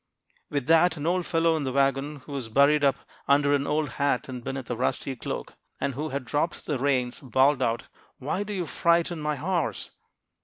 With that, an old fellow in the wagon, who was buried up under an old hat and beneath a rusty cloak, and who had dropped the reins, bawled out, 'Why do you frighten my horse?'